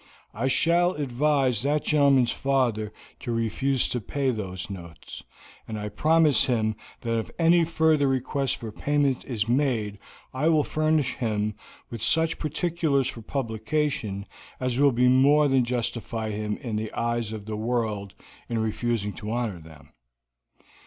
I shall advise that gentleman's father to refuse to pay those notes, and promise him that if any further request for payment is made I will furnish him with such particulars for publication as will more than justify him in the eyes of the world in refusing to honor them.